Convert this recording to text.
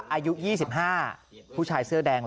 อายุ๒๕ผู้ชายเสื้อแดง